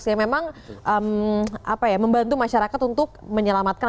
yang memang membantu masyarakat untuk menyelamatkan